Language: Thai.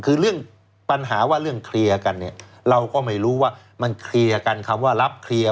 คือเรื่องปัญหาว่าเรื่องเคลียร์กันเนี่ยเราก็ไม่รู้ว่ามันเคลียร์กันคำว่ารับเคลียร์